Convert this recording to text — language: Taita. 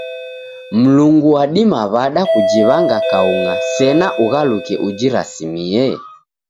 Mlungu wadima w'ada kujiw'anga kaung'a sena ughaluke ujirasimie?